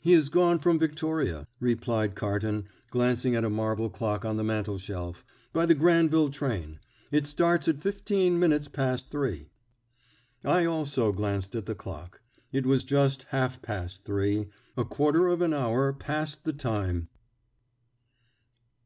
"He has gone from Victoria," replied Carton, glancing at a marble clock on the mantelshelf, "by the Granville train. It starts at fifteen minutes past three." I also glanced at the clock. It was just half past three, a quarter of an hour past the time!